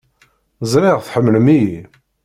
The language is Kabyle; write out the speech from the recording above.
Ẓriɣ tḥemmlem-iyi.